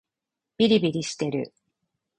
びりびりしてる